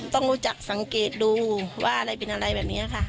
ต้องรู้จักสังเกตดูว่าอะไรเป็นอะไรแบบนี้ค่ะ